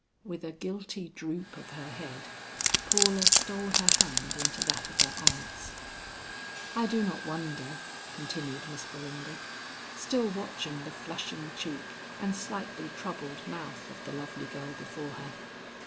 With a guilty droop of her head, Paula stole her hand into that of her aunt's. "I do not wonder," continued Miss Belinda, still watching the flushing cheek and slightly troubled mouth of the lovely girl before her.